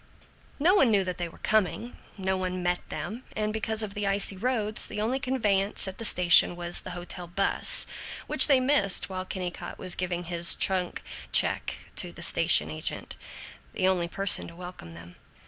II No one knew that they were coming; no one met them; and because of the icy roads, the only conveyance at the station was the hotel 'bus, which they missed while Kennicott was giving his trunk check to the station agent the only person to welcome them.